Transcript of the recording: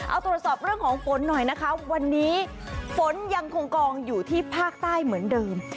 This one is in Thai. เอาตรวจสอบเรื่องของฝนหน่อยนะคะวันนี้ฝนยังคงกองอยู่ที่ภาคใต้เหมือนเดิม